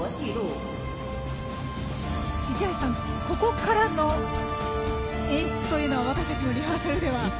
ここからの演出というのは私たちもリハーサルでは。